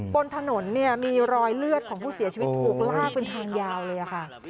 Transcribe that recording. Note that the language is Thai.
บนถนนเนี่ยมีรอยเลือดของผู้เสียชีวิตถูกลากเป็นทางยาวเลยค่ะ